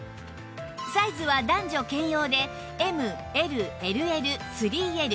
サイズは男女兼用で ＭＬＬＬ３Ｌ